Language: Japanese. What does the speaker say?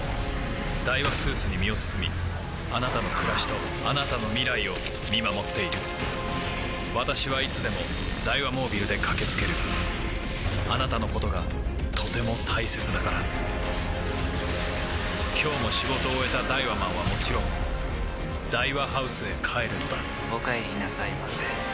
ダイワスーツに身を包みあなたの暮らしとあなたの未来を見守っている私はいつでもダイワモービルで駆け付けるあなたのことがとても大切だから今日も仕事を終えたダイワマンはもちろんダイワハウスへ帰るのだお帰りなさいませ。